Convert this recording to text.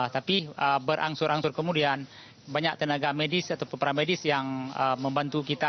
tapi berangsur angsur kemudian banyak tenaga medis ataupun para medis yang membantu kita